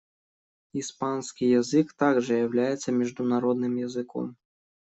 Испанский язык также является международным языком.